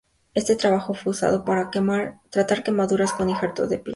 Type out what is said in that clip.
Este trabajo fue usado para tratar quemaduras con injertos de piel.